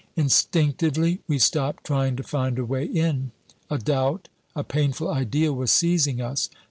Instinctively we stopped trying to find a way in. A doubt, a painful idea was seizing us.